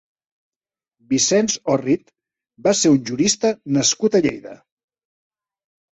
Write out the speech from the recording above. Vicenç Orrit va ser un jurista nascut a Lleida.